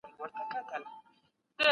سياست پوهنه د بشري ژوند يوه لازمي برخه ده.